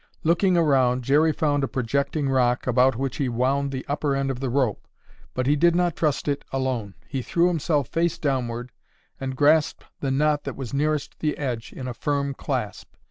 Looking around, Jerry found a projecting rock about which he wound the upper end of the rope, but he did not trust it alone. He threw himself face downward and grasped the knot that was nearest the edge in a firm clasp.